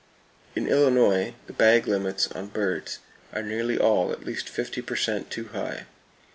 In Illinois the bag limits on birds are nearly all at least 50 per cent too high.